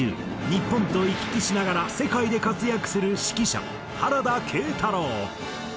日本と行き来しながら世界で活躍する指揮者原田慶太楼。